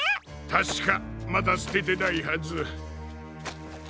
たしかまだすててないはず。